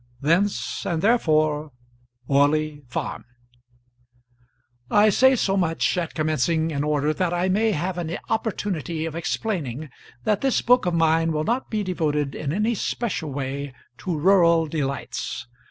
Thence, and therefore, Orley Farm. I say so much at commencing in order that I may have an opportunity of explaining that this book of mine will not be devoted in any special way to rural delights.